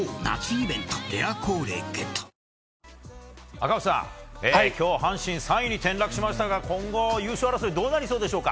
赤星さん、今日阪神３位に転落しましたが今後、優勝争いどうなりそうでしょうか？